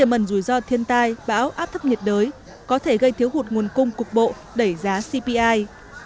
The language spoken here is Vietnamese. mẩn rủi ro thiên tai bão áp thấp nhiệt đới có thể gây thiếu hụt nguồn cung cục bộ đẩy giá cpi